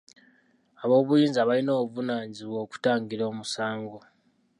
Aboobuyinza balina obuvunaanyizibwa okutangira omusango.